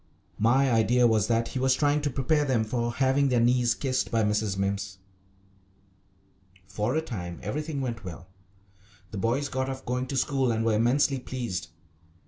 My idea was that he was trying to prepare them for having their knees kissed by Mrs. Mimms. For a time everything went well. The boys got off going to school and were immensely pleased.